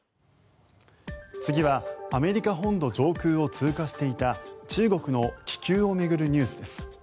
次はアメリカ本土上空を通過していた中国の気球を巡るニュースです。